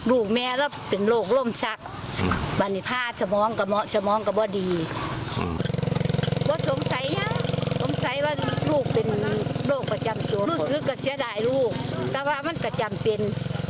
ลูกเป็นโรคกระจำตัวลูกซื้อก็เสียดายลูกแต่ว่ามันกระจำเป็น